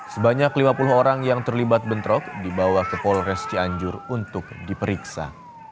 sebanyak lima puluh orang yang terlibat bentrok dibawa ke polres cianjur untuk diperiksa